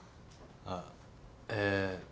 あっえ。